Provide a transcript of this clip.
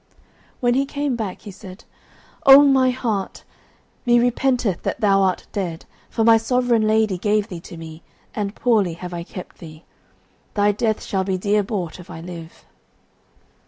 When he came back he said, "O my white hart, me repenteth that thou art dead, for my sovereign lady gave thee to me, and poorly have I kept thee. Thy death shall be dear bought, if I live."